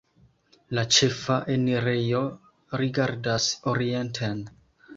La ĉefa enirejo rigardas orienten.